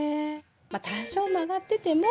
まっ多少曲がってても。